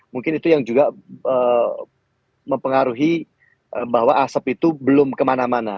mungkin itu yang juga mempengaruhi bahwa asap itu belum kemana mana